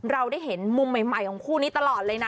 เราได้เห็นมุมใหม่ของคู่นี้ตลอดเลยนะ